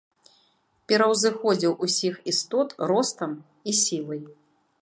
Пераўзыходзіў усіх істот ростам і сілай.